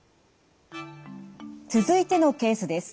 続いてのケースです。